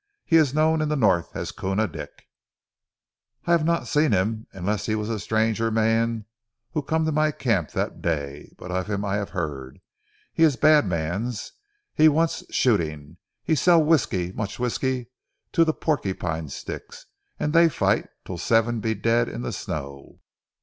He is known in the North as Koona Dick!" "I hav' not him seen, unless he vas ze stranger mans who come to my camp dat day. But of him I hav' heard. He is bad mans, he want shooting. He sell whiskey mooch whiskey, to ze Porcupine Sticks, an' dey fight till seven be dead in ze snow.